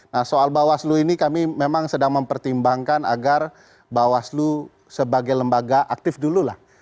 nah soal bawaslu ini kami memang sedang mempertimbangkan agar bawaslu sebagai lembaga aktif dulu lah